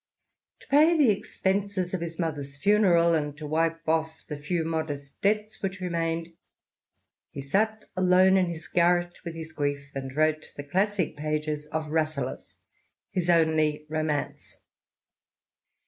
To pay the expenses of his mother's funeral, and to wipe off the few modest debts which remained, he sat alone in his garret with his grief and wrote the classic pag^ of Rasselas — his only romance.